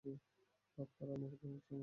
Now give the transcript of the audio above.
পাপ করা থেকে আমাকে বাঁচানোর জন্য।